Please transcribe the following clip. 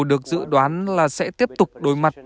được dự đoán là sẽ tiếp tục đối mặt